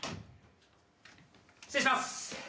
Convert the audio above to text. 失礼します！